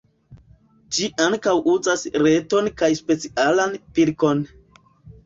Ĝi ankaŭ uzas reton kaj specialan pilkon.